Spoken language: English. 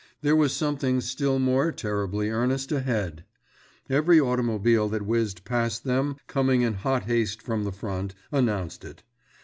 There was something still more terribly earnest ahead! Every automobile that whizzed past them, coming in hot haste from the front, announced it.